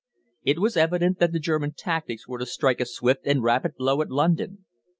It was evident that the German tactics were to strike a swift and rapid blow at London.